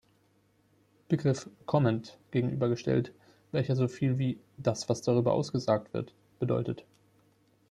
Begriff "comment" gegenübergestellt, welcher so viel wie "das, was darüber ausgesagt wird" bedeutet.